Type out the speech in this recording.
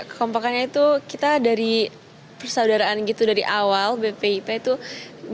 kekompakannya itu kita dari persaudaraan gitu dari awal bpip itu bikin kita jadi makin deket gitu